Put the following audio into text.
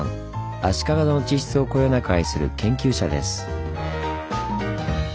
足利の地質をこよなく愛する研究者です。